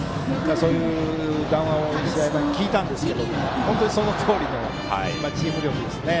そういう談話を試合前に聞いたんですけど本当にそのとおりのチーム力ですね。